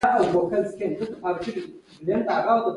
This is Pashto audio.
هغه ﷺ له ظلم نه کرکه درلوده.